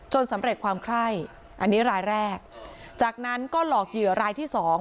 สำเร็จความไคร้อันนี้รายแรกจากนั้นก็หลอกเหยื่อรายที่สอง